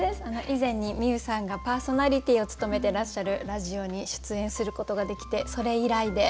以前に美雨さんがパーソナリティーを務めてらっしゃるラジオに出演することができてそれ以来で。